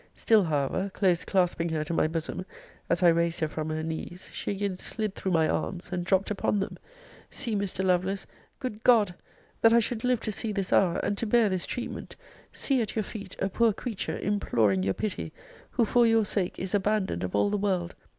still, however, close clasping her to my bosom, as I raised her from her knees, she again slid through my arms, and dropped upon them. 'See, Mr. Lovelace! Good God! that I should live to see this hour, and to bear this treatment! See at your feet a poor creature, imploring your pity; who, for your sake, is abandoned of all the world.